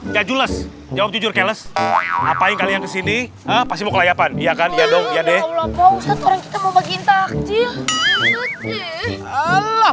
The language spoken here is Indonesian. jajul jawab jujur keles apain kalian kesini pasti mau ke layakkan iya kan ya dong ya deh